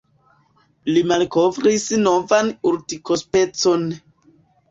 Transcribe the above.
Li malkovris novan urtikospecon.